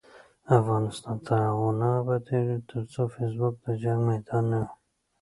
افغانستان تر هغو نه ابادیږي، ترڅو فیسبوک د جنګ میدان نه وي.